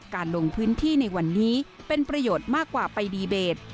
ลงพื้นที่ในวันนี้เป็นประโยชน์มากกว่าไปดีเบต